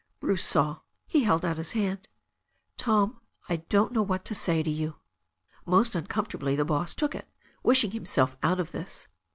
Bruce saw. He held out his hand. "Tom, I don't know what to say to you." Most uncomfortably the boss took it, wishing himself out of this.